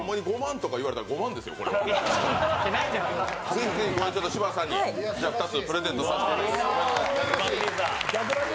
ぜひぜひこれ柴田さんに２つプレゼントさせていただきます。